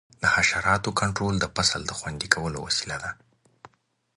د حشراتو کنټرول د فصل د خوندي کولو وسیله ده.